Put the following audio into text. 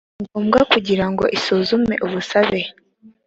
ngombwa kugira ngo isuzume ubusabe